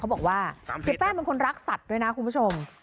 บอกว่าเสียแป้งเป็นคนรักสัตว์ด้วยนะคุณผู้ชม